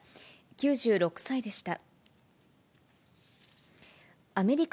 ９６歳でした。